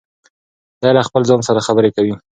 دی له خپل ځان سره خبرې کوي.